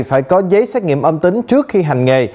phải có giấy xét nghiệm âm tính trước khi hành nghề